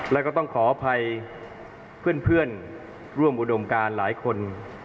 แล้วก็ต้องขออภัยเพื่อนร่วมอุดมการหลายคน